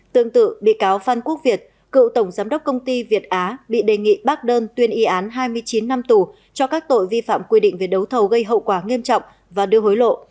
tương tự bị cáo phan quốc việt cựu tổng giám đốc công ty việt á bị đề nghị bác đơn tuyên y án hai mươi chín năm tù cho các tội vi phạm quy định về đấu thầu gây hậu quả nghiêm trọng và đưa hối lộ